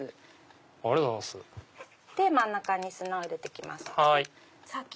真ん中に砂を入れて行きますね。